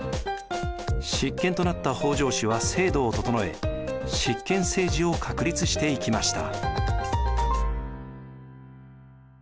執権となった北条氏は制度を整え執権政治を確立していきました。